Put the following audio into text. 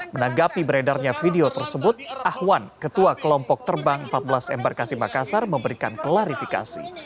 menanggapi beredarnya video tersebut ahwan ketua kelompok terbang empat belas embarkasi makassar memberikan klarifikasi